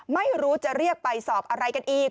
ไม่รู้จะเรียกไปสอบอะไรกันอีก